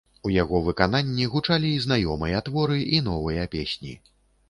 У яго выканні гучалі і знаёмыя творы, і новыя песні.